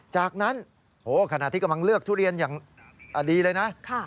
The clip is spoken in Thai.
จากนั้นขณะที่กำลังเลือกทุเรียนอย่างดีเลยนะ